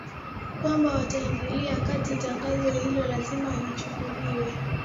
kwamba wataingilia kati Tangazo hilo lazima lichukuliwe